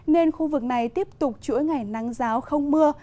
nên khu vực này tiếp tục chuỗi ngày nắng giáo không mưa